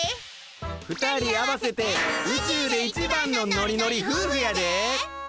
ふたり合わせてうちゅうで一番のノリノリふうふやで！